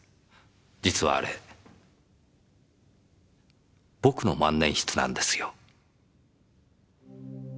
実はあれ僕の万年筆なんですよ。